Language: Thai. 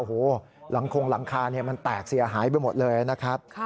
โอ้โหหลังคงหลังคามันแตกเสียหายไปหมดเลยนะครับ